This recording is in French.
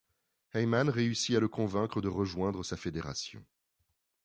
Heyman réussi à le convaincre de rejoindre sa fédération.